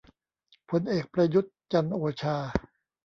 พลเอก ประยุทธ์ จันทร์โอชา